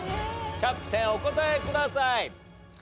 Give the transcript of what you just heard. キャプテンお答えください。